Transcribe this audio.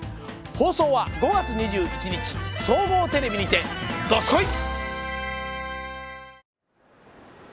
放送は５月２１日総合テレビにて、どすこい！